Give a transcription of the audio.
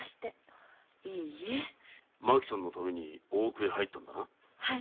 麻紀さんのために大奥へ入ったのだな。